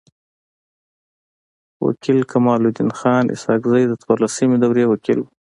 و کيل کمال الدین خان اسحق زی د څوارلسمي دوری وکيل وو.